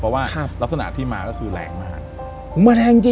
เพราะว่ารักษณะที่มาก็คือแรงมาก